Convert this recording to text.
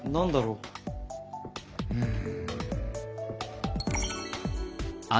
うん。